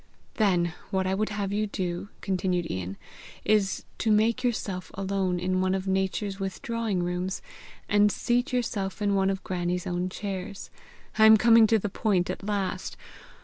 "Then what I would have you do," continued Ian, "is to make yourself alone in one of Nature's withdrawing rooms, and seat yourself in one of Grannie's own chairs. I am coming to the point at last!